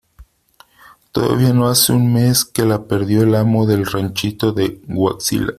todavía no hace un mes que la perdió el amo del ranchito de Huaxila :